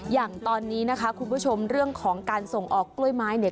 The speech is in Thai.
อย่างตอนนี้นะคะคุณผู้ชมเรื่องของการส่งออกกล้วยไม้เนี่ย